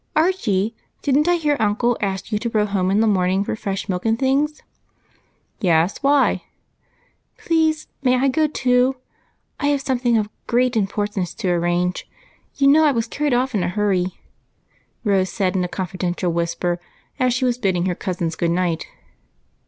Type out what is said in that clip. " Archie, did n't I hear uncle ask yon to row home in the morning for fresh milk and things ?" "Yes; why?" " Please, may I go too ? I have something of great importance to arrange ; you know I was carried off in a hurry," Rose said in a confidential whisjDer as she was bidding her cousins good night.